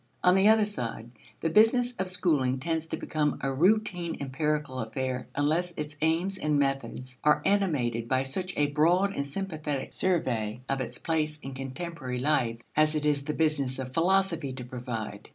On the other side, the business of schooling tends to become a routine empirical affair unless its aims and methods are animated by such a broad and sympathetic survey of its place in contemporary life as it is the business of philosophy to provide.